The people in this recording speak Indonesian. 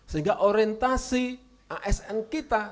sehingga orientasi asn kita